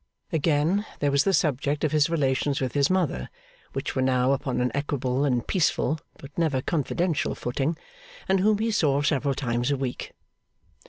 Again, there was the subject of his relations with his mother, which were now upon an equable and peaceful but never confidential footing, and whom he saw several times a week.